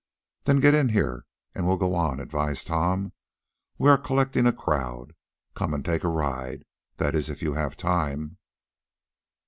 "Then get in here, and we'll go on." advised Tom. "We are collecting a crowd. Come and take a ride; that is if you have time."